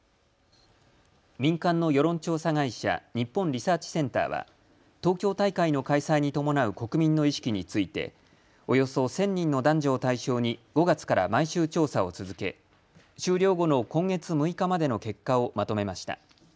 民間の世論調査会社、日本リサーチセンターは東京大会の開催に伴う国民の意識についておよそ１０００人の男女を対象に５月から毎週調査を続け終了後の今月６日までの結果をまとめました。